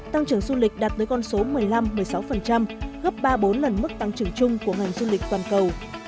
tăng trưởng du lịch đạt tới con số một mươi năm một mươi sáu gấp ba bốn lần mức tăng trưởng chung của ngành du lịch toàn cầu